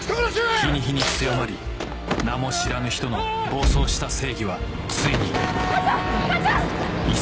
日に日に強まり名も知らぬ人の暴走した正義はついに課長！